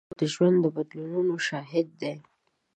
فېسبوک د خلکو د ژوند بدلونونو شاهد دی